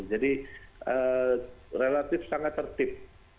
jadi relatif sangat tertib